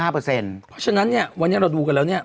เพราะฉะนั้นเนี่ยวันนี้เราดูกันแล้วเนี่ย